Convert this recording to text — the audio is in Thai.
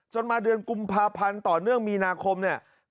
มาเดือนกุมภาพันธ์ต่อเนื่องมีนาคมเนี่ย